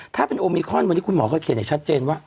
ถ้าเป็นโอมิคอนวันนี้คุณหมอก็เขียนอย่างชัดเจนว่า